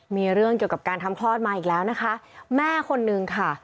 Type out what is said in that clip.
มีเรื่องเกี่ยวกับการทำคลอดมาอีกแล้วนะคะแม่คนนึงค่ะ